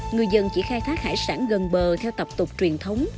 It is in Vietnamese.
người dân chỉ khai thác hải sản gần bờ theo tập tục truyền thống